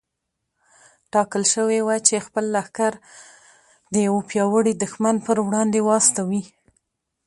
ټاکل شوې وه چې خپل لښکر د يوه پياوړي دښمن پر وړاندې واستوي.